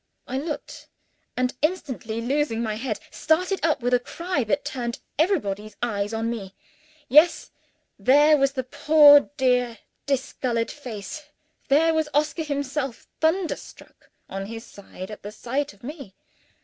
I looked; and, instantly losing my head, started up with a cry that turned everybody's eyes on me. Yes! there was the poor dear discolored face there was Oscar himself, thunderstruck on his side at the sight of Me!